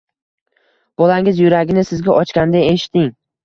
Bolangiz yuragini sizga ochganida eshiting.